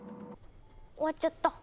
終わっちゃった。